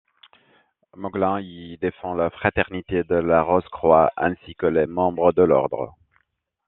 Mögling y défend la Fraternité de la Rose-Croix, ainsi que les membres de l'ordre.